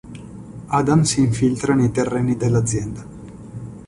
Adam si infiltra nei terreni dell'azienda.